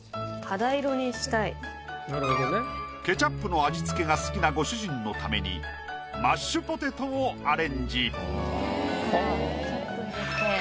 ケチャップの味付けが好きなご主人のためにマッシュポテトをアレンジ。